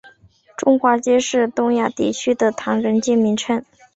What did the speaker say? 中华街是东亚地区的唐人街的名称。